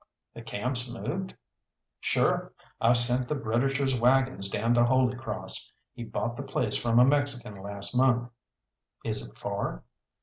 "The camp's moved?" "Sure. I've sent the Britisher's waggons down to Holy Cross. He bought the place from a Mexican last month." "Is it far?"